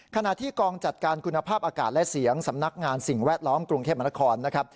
ขณะที่กองจัดการคุณภาพอากาศและเสียงสำนักงานสิ่งแวดล้อมกรุงเทพมนครนะครับ